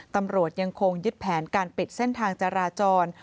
ตำรวจยังคงยึดแผนการปิดเส้นทางจราจร